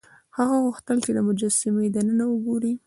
هغه غوښتل چې د مجسمې دننه وګوري.